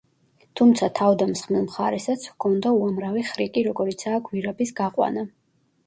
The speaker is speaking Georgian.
თუმცა თავდამსხმელ მხარესაც ჰქონდა უამრავი ხრიკი როგორიცაა გვირაბის გაყვანა.